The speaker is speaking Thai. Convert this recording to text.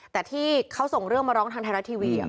แต่ที่เขาส่งเรื่องมาร้องทางไทยรัฐทีวี